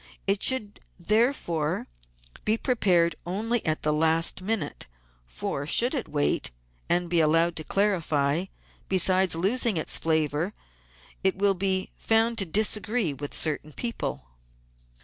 It should therefore be prepared only at the last minute; for, should it wait and be allowed to clarify, besides losing its flavour it will be found to disagree with certain people.